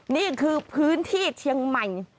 นี่คือพื้นที่เชียงใหม่